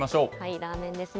ラーメンですね。